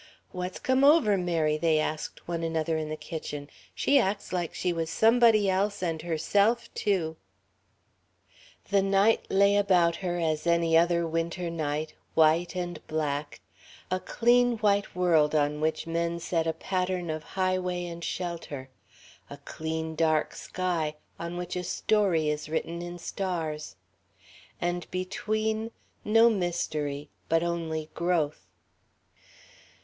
("What's come over Mary?" they asked one another in the kitchen. "She acts like she was somebody else and herself too.") The night lay about her as any other winter night, white and black, a clean white world on which men set a pattern of highway and shelter, a clean dark sky on which a story is written in stars; and between no mystery, but only growth.